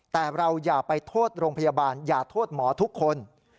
แต่เราอย่าไปโทษโรงพยาบาลอย่าโทษหมอทุกคน